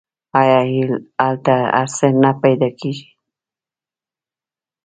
آیا هلته هر څه نه پیدا کیږي؟